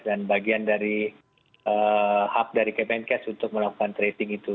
dan bagian dari hub dari kemenkes untuk melakukan tracing itu